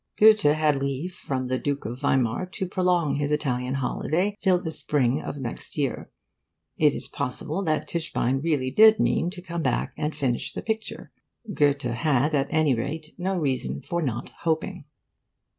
Goethe had leave from the Duke of Weimar to prolong his Italian holiday till the spring of next year. It is possible that Tischbein really did mean to come back and finish the picture. Goethe had, at any rate, no reason for not hoping.